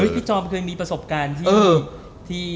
จอมเคยมีประสบการณ์ที่